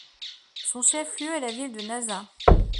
Son chef-lieu est la ville de Nazas.